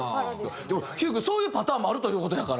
でもひゅーい君そういうパターンもあるという事やから。